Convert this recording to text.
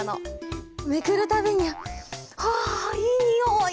めくるたびに「はあいいにおい！」